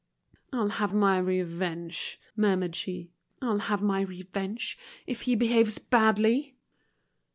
"I'll have my revenge," murmured she. "I'll have my revenge, if he behaves badly!"